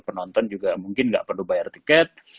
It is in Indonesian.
penonton juga mungkin nggak perlu bayar tiket